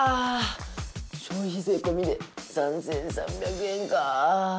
消費税込みで３３００円かぁ。